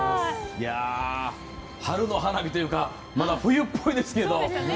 春の花火というかまだ冬っぽいですけど。